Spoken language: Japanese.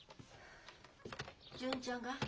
純ちゃんか？